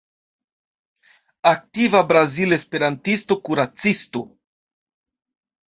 Aktiva brazila esperantisto, kuracisto.